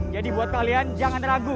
jadi buat kalian jangan ragu